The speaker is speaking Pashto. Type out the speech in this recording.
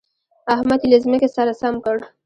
احمد يې له ځمکې سره سم کړ.